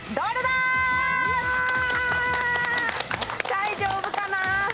大丈夫かな。